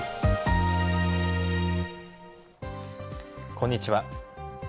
こんにちは。